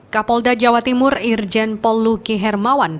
kapolda jawa timur irjen polluki hermawan